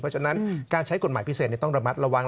เพราะฉะนั้นการใช้กฎหมายพิเศษต้องระมัดระวัง